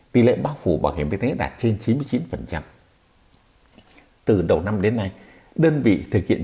tỷ lệ bao phủ bảo hiểm y tế đạt trên chín mươi chín từ đầu năm đến nay đơn vị thực hiện